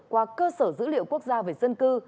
qua cơ sở dữ liệu quốc gia về dân cư